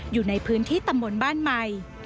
อยู่ในพื้นที่ตำบลบ้านใหม่